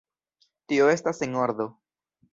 Tio estas en ordo.